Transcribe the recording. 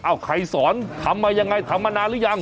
เอาใครสอนทำมายังไงทำมานานหรือยัง